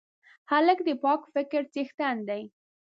هلک د پاک فکر څښتن دی.